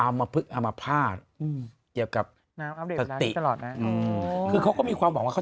อามภึกอามภาพเดียวกับอัพเดทตลอดนะคือเขาก็มีความบอกว่าเขา